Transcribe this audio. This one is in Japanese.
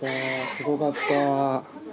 すごかった。